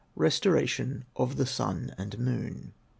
RESTORATION OF THE SUN AND MOON.